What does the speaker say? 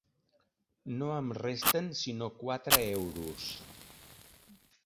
No em resten sinó quatre euros.